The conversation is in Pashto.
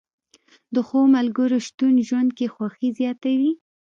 د ښو ملګرو شتون ژوند کې خوښي زیاتوي